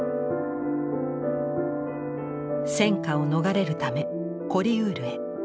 戦禍を逃れるためコリウールへ。